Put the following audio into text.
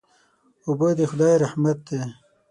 اوبه د خدای رحمت دی.